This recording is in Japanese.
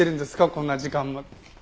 こんな時間まで。